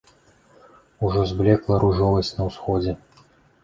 Ужо зблекла ружовасць на ўсходзе.